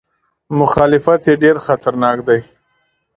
مخالفت یې ډېر خطرناک دی.